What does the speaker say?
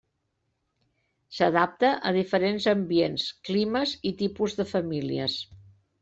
S'adapta a diferents ambients, climes i tipus de famílies.